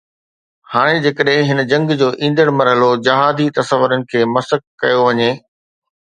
هاڻي جيڪڏهن هن جنگ جو ايندڙ مرحلو جهادي تصورن کي مسخ ڪيو وڃي